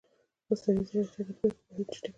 مصنوعي ځیرکتیا د پرېکړو بهیر چټکوي.